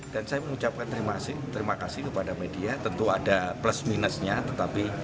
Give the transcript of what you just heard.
dan saya mengucapkan terima kasih kepada media tentu ada plus minusnya